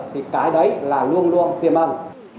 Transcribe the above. thì cái đấy là luôn luôn tiêm ẩn